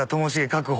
確保。